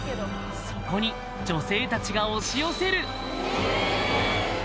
そこに女性たちが押し寄せる！